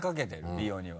美容には。